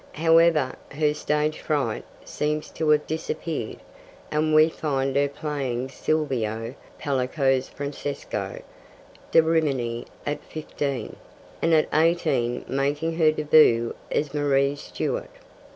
However, her stage fright seems to have disappeared, and we find her playing Silvio Pellico's Francesco, da Rimini at fifteen, and at eighteen making her debut as Marie Stuart.